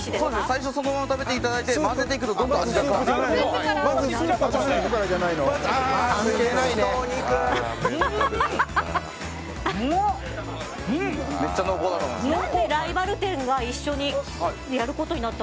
最初そのまま食べていただいて混ぜていくとどんどん味がうまっ！